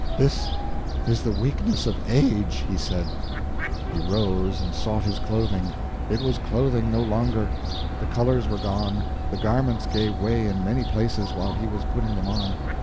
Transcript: "This is the weakness of age," he said. He rose and sought his clothing. It was clothing no longer. The colors were gone, the garments gave way in many places while he was putting them on.